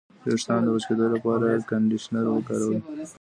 د ویښتو د وچ کیدو لپاره کنډیشنر وکاروئ